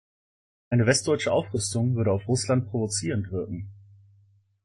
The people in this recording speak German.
Eine westdeutsche Aufrüstung würde auf Russland provozierend wirken.